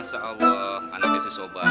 masa allah anaknya sih sobar